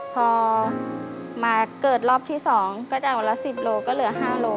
พอมาเกิดรอบที่๒ก็จ่ายวันละ๑๐โลก็เหลือ๕โล